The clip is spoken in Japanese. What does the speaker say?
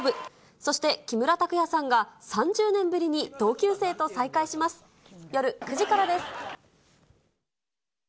そして木村拓哉さんが３０年ぶりに同級生と再会します。